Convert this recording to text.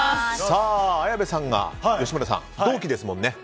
綾部さんが吉村さん、同期ですもんね。